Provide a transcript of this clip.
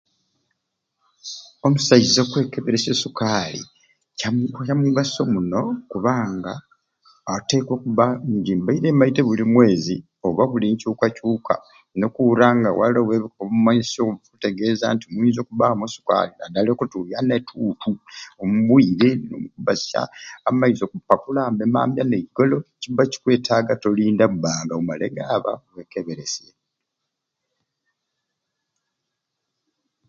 Omusaiza okwekeberesya osukali kyamu kyamugaso muno kubanga otekwa okubba nje mbaire maite buli mwezi oba buli nkyukakyuka nokuura nga waliwo omumaiso ebikutegeza nti mwinza okubamu osukali nadala okutuyana etuntu, omumbwire obasya amaiso okupakulambe emambya n'eigolo kiba kikwetaga otolinda banga omale gaba wekeberesye.